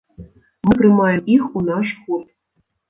Мы прымаем іх у наш гурт.